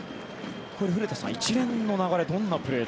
古田さん、一連のプレー